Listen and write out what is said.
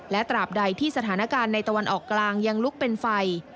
และตราบใดที่สถานการณ์ในตะวันออกกลางยังลุกเป็นไฟ